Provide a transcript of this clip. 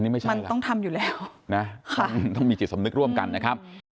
มันต้องทำอยู่แล้วต้องมีจิตสำนึกร่วมกันนะครับ